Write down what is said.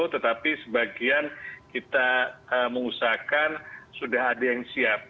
tetapi sebagian kita mengusahakan sudah ada yang siap